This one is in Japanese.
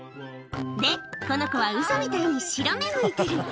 で、この子はウソみたいに白目むいてる。